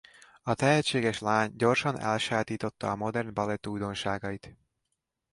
A tehetséges lány gyorsan elsajátította a modern balett újdonságait.